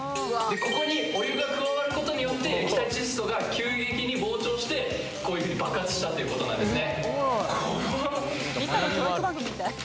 ここにお湯が加わることによって液体窒素が急激に膨張してこういうふうに爆発したっていうことなんですね